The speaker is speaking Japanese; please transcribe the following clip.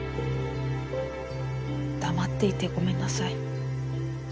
黙っていてごめんなさい。